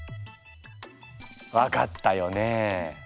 分かったよね？